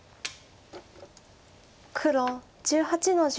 黒１８の十。